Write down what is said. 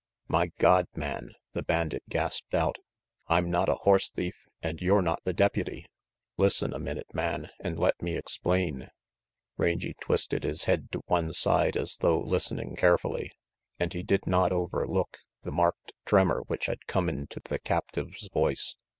"My God, man," the bandit gasped out, "I'm not a horse thief, an' you're not the deputy. Listen a minute, man, and let me explain." Rangy twisted his head to one side as though listening carefully, and he did not overlook the marked tremor which had come into the captive's voice.